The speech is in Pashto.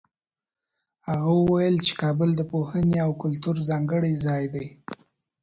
هغه وویل چي کابل د پوهنې او کلتور ځانګړی ځای دی.